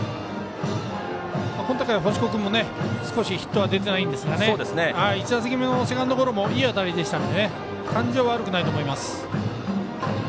今大会、星子君もヒットは少し出ていないんですけど１打席目のセカンドゴロもいい当たりだったので悪くないと思います。